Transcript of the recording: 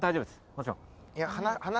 もちろん。